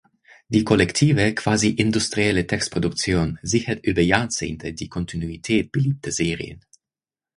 Die kollektive, quasi-industrielle Textproduktion sichert über Jahrzehnte die Kontinuität beliebter Serien.